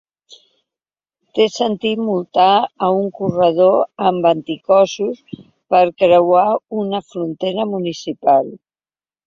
Té sentit multar a un corredor amb anticossos per creuar una frontera municipal?